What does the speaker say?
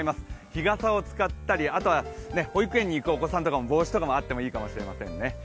日傘を使ったり保育園に行くお子さんの帽子とかもあってもいいかもしれませんね。